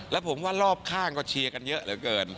แล้วผมว่ารอบข้างก็เชียร์กันเยอะเหลือเกิน